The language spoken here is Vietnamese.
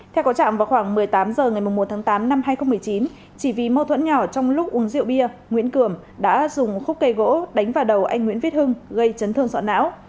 theo có trạm vào khoảng một mươi tám h ngày một tháng tám năm hai nghìn một mươi chín chỉ vì mâu thuẫn nhỏ trong lúc uống rượu bia nguyễn cường đã dùng khúc cây gỗ đánh vào đầu anh nguyễn viết hưng gây chấn thương sọ não